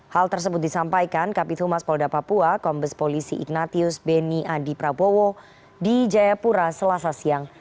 hal tersebut disampaikan kapitumas polda papua kombes polisi ignatius beni adi prabowo di jayapura selasa siang